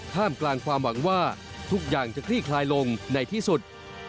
กลางความหวังว่าทุกอย่างจะคลี่คลายลงในที่สุด